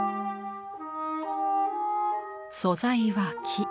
素材は木。